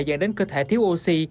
dẫn đến cơ thể thiếu oxy